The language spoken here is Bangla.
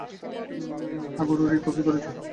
হাগারু রি, কপি করেছো?